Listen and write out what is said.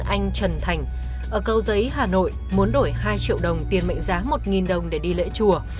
anh trần thành ở cầu giấy hà nội muốn đổi hai triệu đồng tiền mệnh giá một đồng để đi lễ chùa